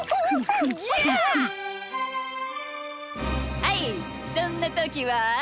はいそんなときは？